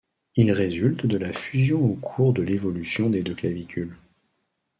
Il résulte de la fusion au cours de l'évolution des deux clavicules.